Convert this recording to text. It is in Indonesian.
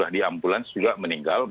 kalau dia sudah di ambulans juga meninggal